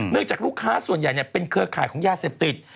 จากลูกค้าส่วนใหญ่เป็นเครือข่ายของยาเสพติด